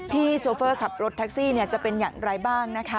โชเฟอร์ขับรถแท็กซี่จะเป็นอย่างไรบ้างนะคะ